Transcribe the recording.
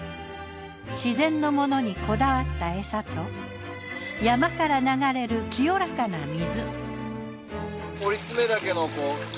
自然のものにこだわった餌と山から流れる清らかな水。